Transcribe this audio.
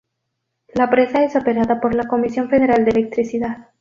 La presa es operada por la Comisión Federal de Electricidad.